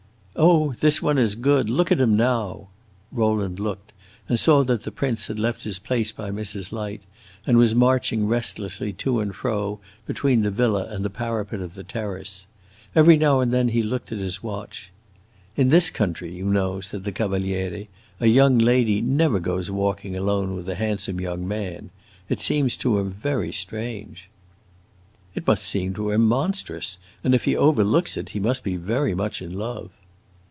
"Oh, this one is good! Look at him now." Rowland looked, and saw that the prince had left his place by Mrs. Light and was marching restlessly to and fro between the villa and the parapet of the terrace. Every now and then he looked at his watch. "In this country, you know," said the Cavaliere, "a young lady never goes walking alone with a handsome young man. It seems to him very strange." "It must seem to him monstrous, and if he overlooks it he must be very much in love."